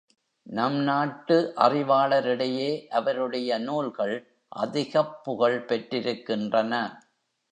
நம் நாட்டு அறிவாளரிடையே அவருடைய நூல்கள் அதிகப் புகழ் பெற்றிருக்கின்றன.